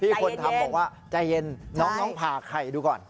คนทำบอกว่าใจเย็นน้องผ่าไข่ดูก่อน